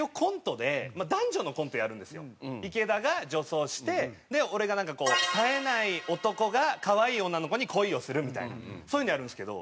池田が女装して俺がなんかこうさえない男が可愛い女の子に恋をするみたいなそういうのをやるんですけど。